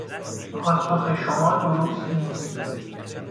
پاسخ شما درست نیست.